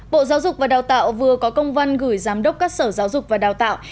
bộ giáo dục và đào tạo vừa có công văn gửi giám đốc các sở giáo dục và đào tạo